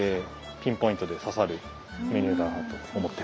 ピンポイントで刺さるメニューだなと思っています。